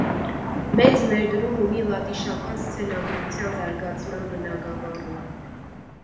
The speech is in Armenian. Մեծ ներդրում ունի լատիշական սցենագրության զարգացման բնագավառում։